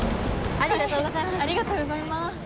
ありがとうございます。